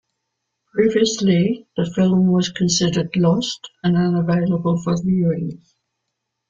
Previously, the film was considered lost and unavailable for viewings.